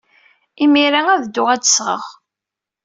Imir-a, ad dduɣ ad d-sɣeɣ.